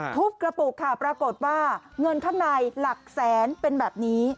ทุบกระปุกค่ะปรากฏว่าเงินข้างในหลักแสนเป็นแบบนี้